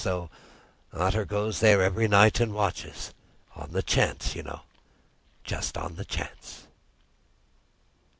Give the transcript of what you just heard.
So Otter goes there every night and watches—on the chance, you know, just on the chance!"